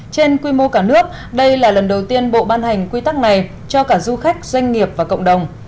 trên quy mô cả nước đây là lần đầu tiên bộ ban hành quy tắc này cho cả du khách doanh nghiệp và cộng đồng